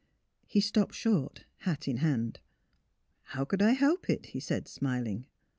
He stopped short, hat in hand. ^' How could I help it? " he said, smiling.